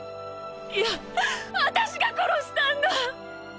いや私が殺したんだ！